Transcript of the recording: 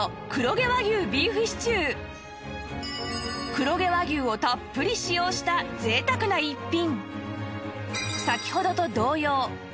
黒毛和牛をたっぷり使用したぜいたくな逸品